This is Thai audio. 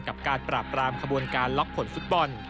กับการปราบปรามขบวนการล็อกผลฟุตบอล